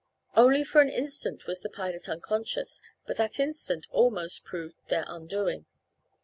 Only for an instant was the pilot unconscious, but that instant almost proved their undoing.